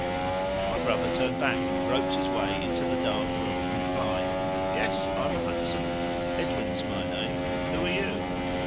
My brother turned back and groped his way into the dark room, and replied: "Yes, I'm a Hudson Edwin's my name. Who are you?"